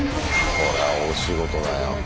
これは大仕事だよ。